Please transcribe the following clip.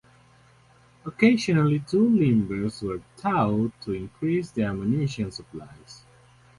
Occasionally, two limbers were towed to increase the ammunition supply.